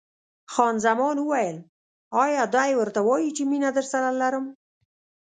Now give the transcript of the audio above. خان زمان وویل: ایا دی ورته وایي چې مینه درسره لرم؟